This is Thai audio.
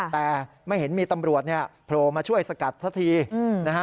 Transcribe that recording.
แต่ไม่เห็นมีตำรวจเนี่ยโผล่มาช่วยสกัดสักทีนะฮะ